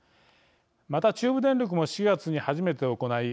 また、中部電力も４月に初めて行い